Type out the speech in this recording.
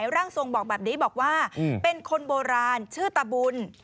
ร่างทรงบอกแบบนี้บอกว่าเป็นคนโบราณชื่อตะบุญ